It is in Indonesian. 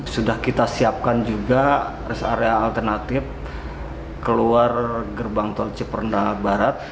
sudah kita siapkan juga rest area alternatif keluar gerbang tol ciperna barat